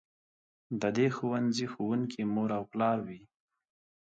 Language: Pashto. د دې ښوونځي ښوونکي مور او پلار وي.